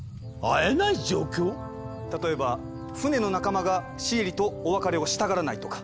例えば船の仲間がシエリとお別れをしたがらないとか。